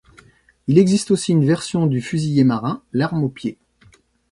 Il existe aussi une version du fusilier-marin, l’arme au pied.